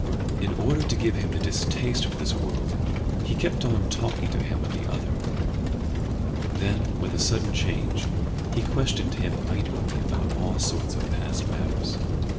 In order to give him a distaste for this world he kept on talking to him of the other. Then, with a sudden change, he questioned him minutely about all sorts of past matters.